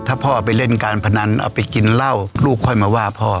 ถ้าพ่อไปเล่นการพนันเอาไปกินเหล้าลูกค่อยมาว่าพ่อ